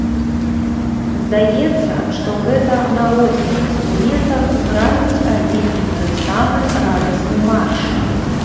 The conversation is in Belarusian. Здаецца, што гэта на розных інструментах граюць адзін і той самы радасны марш.